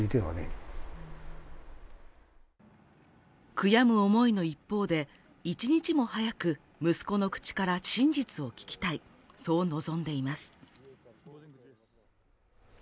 悔やむ思いの一方で、１日も早く息子の口から真実を聞きたいそう望んでいます。